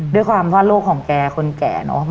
ด้วยความว่าโลกของแกคนแก่เนอะ